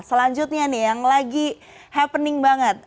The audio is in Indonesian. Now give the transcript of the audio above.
nah ini yang terakhir nih yang lagi happening banget